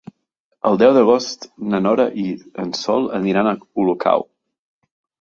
El deu d'agost na Nora i en Sol aniran a Olocau.